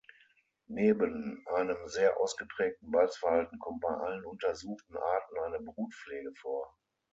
Neben einem sehr ausgeprägten Balzverhalten kommt bei allen untersuchten Arten eine Brutpflege vor.